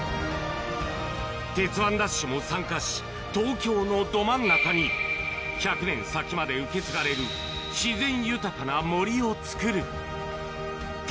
鉄腕ＤＡＳＨも参加し、東京のど真ん中に、１００年先まで受け継がれる自然豊かなもりをつくる。